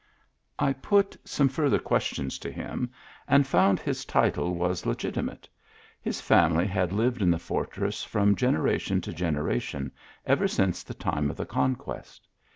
I put some farther questions to him, and found his title was legitimate. His family had lived in the fortress from generation to generation ever since the time of the conquest.